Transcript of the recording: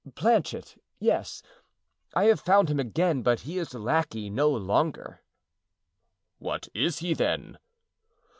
"Planchet—yes, I have found him again, but he is lackey no longer." "What is he, then?"